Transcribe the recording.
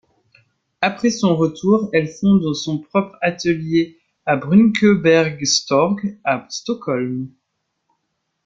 Après son retour, elle fonde son propre atelier à Brunkebergstorg, à Stockholm.